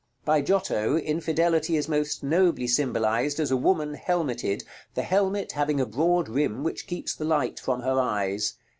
By Giotto Infidelity is most nobly symbolized as a woman helmeted, the helmet having a broad rim which keeps the light from her eyes.